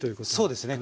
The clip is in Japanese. そうですね。